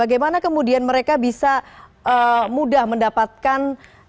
bagaimana kemudian mereka bisa mudah mendapatkan